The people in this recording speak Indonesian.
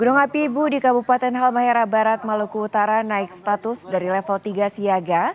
gunung api ibu di kabupaten halmahera barat maluku utara naik status dari level tiga siaga